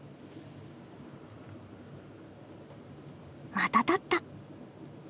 また立った。